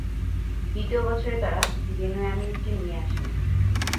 দ্বিতীয় বছরে তারা বিনয়ামীনকে নিয়ে আসে।